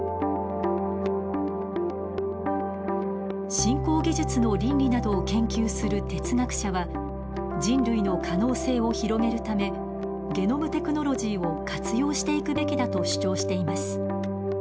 新興技術の倫理などを研究する哲学者は人類の可能性を広げるためゲノムテクノロジーを活用していくべきだと主張しています。